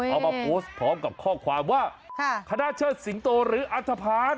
เอามาโพสต์พร้อมกับข้อความว่าคณะเชิดสิงโตหรืออัธพัฒน์